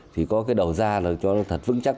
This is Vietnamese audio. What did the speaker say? thì có cái đầu ra là cho nó thật vững chắc